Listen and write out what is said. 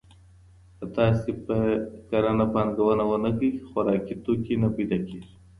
که تاسي په کرنه پانګونه ونه کړئ، خوراکي توکي نه پيدا کېږي.